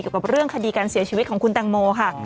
กับเรื่องคดีการเสียชีวิตของคุณตังโมค่ะ